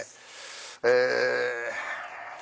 え。